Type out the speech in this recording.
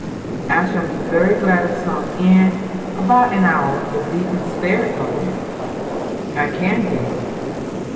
"I shall be very glad of some in about an hour if thee can spare it, mother." "I can, dear."